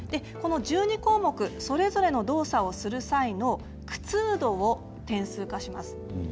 １２項目それぞれの動作をする際の苦痛などを点数化します。